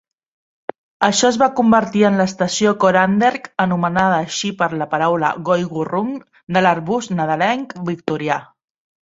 Això es va convertir en l'estació Coranderrk, anomenada així per la paraula "Woiwurrung" de l'arbust nadalenc victorià.